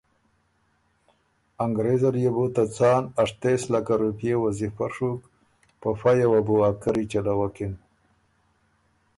انګرېز ال يې بو ته څان اشتېس لکه روپئے وظیفۀ ڒُوک په فئ یه وه بُو اره کرّی چلوکِن۔